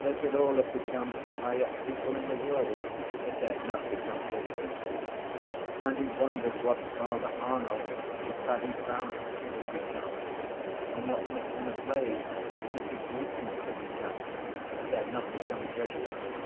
They could all have become high up people in the world if they had not become jesuits. And he wondered what Father Arnall and Paddy Barrett would have become and what Mr McGlade and Mr Gleeson would have become if they had not become jesuits.